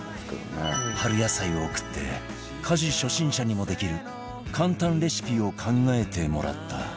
春野菜を送って家事初心者にもできる簡単レシピを考えてもらった